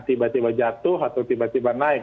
tiba tiba jatuh atau tiba tiba naik